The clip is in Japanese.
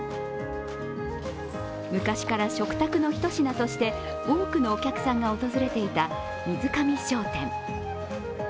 昔から食卓のひと品として多くのお客さんが訪れていた水上商店。